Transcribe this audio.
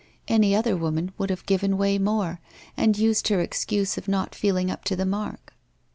Any other woman would have given way more and used her excuse of not feeling up to the mark.